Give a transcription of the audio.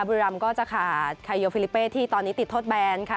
บุรีรำก็จะขาดแคโยฟิลิเป้ที่ตอนนี้ติดทดแบนค่ะ